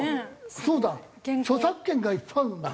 そうだ著作権がいっぱいあるんだ。